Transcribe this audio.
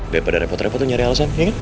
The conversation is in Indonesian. daripada repot repot lo nyari alasan ya kan